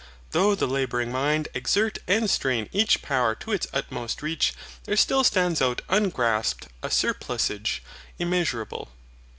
Though the labouring mind exert and strain each power to its utmost reach, there still stands out ungrasped a surplusage immeasurable.